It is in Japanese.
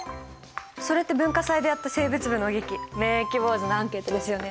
それって文化祭でやった生物部の劇「免疫ウォーズ」のアンケートですよね？